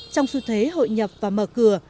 trong xu thế hội nhập và mở cửa